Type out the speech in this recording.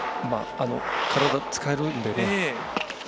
体、使えるんでね。